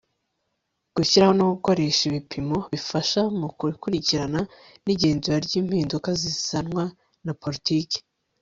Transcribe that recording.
gushyiraho no gukoresha ibipimo bifasha mu ikurikirana n'igenzura ry'impinduka zizanwa na politiki